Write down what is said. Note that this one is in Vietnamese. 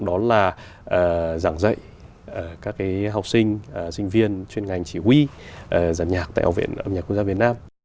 đó là giảng dạy các học sinh sinh viên chuyên ngành chỉ huy giàn nhạc tại hợp viên âm nhạc quốc gia việt nam